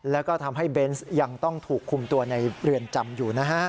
แล้วก็ทำให้เบนส์ยังต้องถูกคุมตัวในเรือนจำอยู่นะฮะ